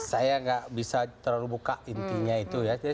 saya nggak bisa terlalu buka intinya itu ya